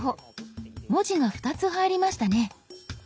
文字が２つ入りましたね。